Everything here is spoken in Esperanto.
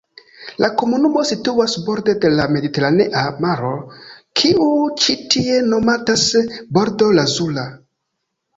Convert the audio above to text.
La komunumo situas borde de la Mediteranea Maro, kiu ĉi tie nomatas Bordo Lazura.